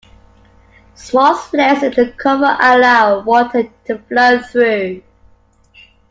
Small slits in the cover allow water to flow through.